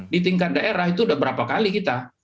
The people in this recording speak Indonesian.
di tingkat daerah itu sudah berapa kali kita